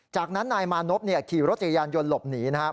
จากนั้นนายมานพขี่รถจักรยานยนต์หลบหนีนะครับ